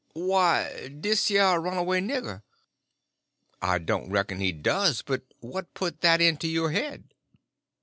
"Why, dis yer runaway nigger." "I don't reckon he does; but what put that into your head?"